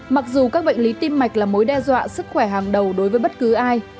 mặc dù các bệnh lý tim mạch là mối đe dọa sức khỏe hàng đầu đối với bất cứ ai